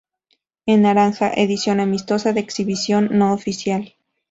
En naranja: edición amistosa de exhibición no oficial.